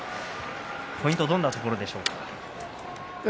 ポイントはどんなところですか。